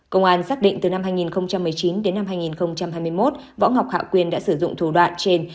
công an xác định từ năm hai nghìn một mươi chín đến năm hai nghìn hai mươi một võ ngọc hạ quyên đã sử dụng thủ đoạn trên